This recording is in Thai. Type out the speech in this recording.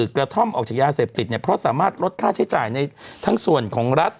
กระท่อมออกจากยาเสพติดเนี่ยเพราะสามารถลดค่าใช้จ่ายในทั้งส่วนของรัฐ